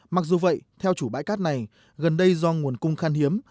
mặc dù vậy theo chủ bãi cát này gần đây do nguồn cung khan hiếm